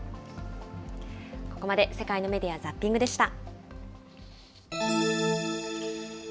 ここまで、世界のメディア・ザッピングでした。